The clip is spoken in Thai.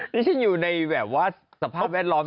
ที่ฉันอยู่ในแบบว่าสภาพแวดล้อม